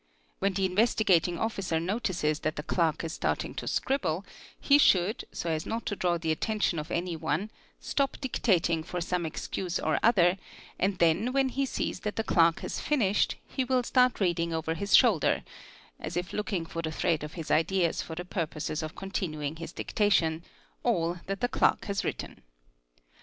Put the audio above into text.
When the Investigating Officer notices that the clerk is starting to scribble, he should, so as not to draw the attention of any 'one, stop dictating for some excuse or other and then when he sees that ' the clerk has finished he will start reading over his shoulder (as if looking for the thread of his ideas for the purposes of continuing his ' dictation), all that the clerk has written.